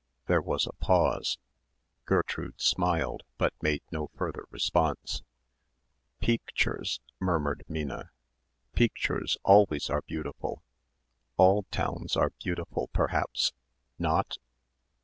There was a pause. Gertrude smiled, but made no further response. "Peectures," murmured Minna. "Peectures always are beautiful. All towns are beautiful, perhaps. Not?"